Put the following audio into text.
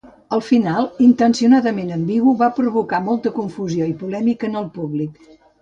El final intencionadament ambigu va provocar molta confusió i polèmica en el públic.